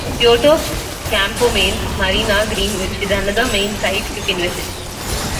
Puerto Campomanes Marina Greenwich is another main sight you can visit.